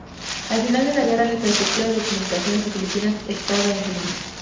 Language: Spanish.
Al final de la guerra, la infraestructura de comunicaciones de Filipinas estaba en ruinas.